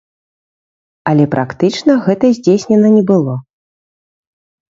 Але практычна гэта здзейснена не было.